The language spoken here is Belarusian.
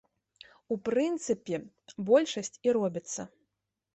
У прынцыпе, большасць і робіцца.